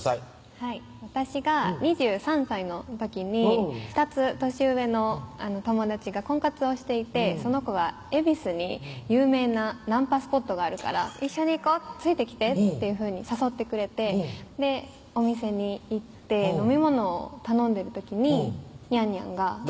はい私が２３歳の時に２つ年上の友達が婚活をしていてその子が「恵比寿に有名なナンパスポットがあるから一緒に行こうついてきて」っていうふうに誘ってくれてお店に行って飲み物を頼んでる時ににゃんにゃんが誰？